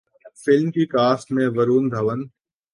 film کی cast میں ورون دھون